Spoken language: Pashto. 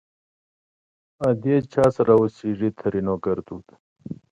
آئيدې چا سره اوسيږ؛ ترينو ګړدود